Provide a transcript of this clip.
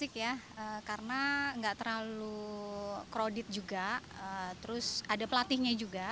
karena tidak terlalu krodit juga ada pelatihnya juga